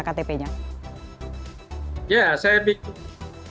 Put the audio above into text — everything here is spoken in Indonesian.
bagaimana dengan yang lain pak yang di luar jakarta